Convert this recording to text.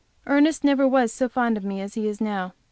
Ernest never was so fond of me as he is now.